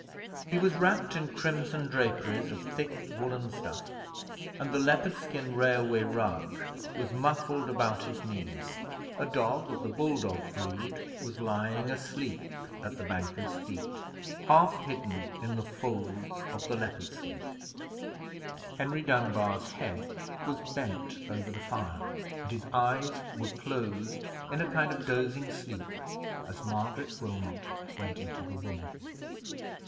He was wrapped in crimson draperies of thick woollen stuff, and the leopard skin railway rug was muffled about his knees. A dog of the bull dog breed was lying asleep at the banker's feet, half hidden in the folds of the leopard skin. Henry Dunbar's head was bent over the fire, and his eyes were closed in a kind of dozing sleep, as Margaret Wilmot went into the room.